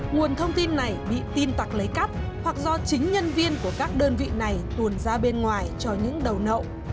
nguồn thông tin này bị tin tặc lấy cắt hoặc do chính nhân viên của các đơn vị này tuồn ra bên ngoài cho những đầu nậu